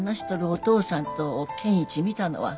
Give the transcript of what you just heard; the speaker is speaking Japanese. お父さんと健一見たのは。